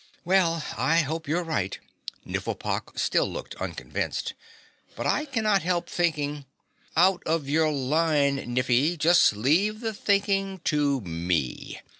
"Well, I hope you're right," Nifflepok still looked unconvinced. "But I cannot help thinking " "Out of your line, Niffy; just leave the thinking to me.